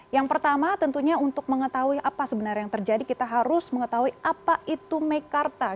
yang pertama tentunya untuk mengetahui apa sebenarnya yang terjadi kita harus mengetahui apa itu mekarta